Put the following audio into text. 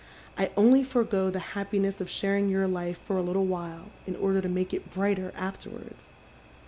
I only forego the happiness of sharing yom life for a little while in order to make it brighter afterwards.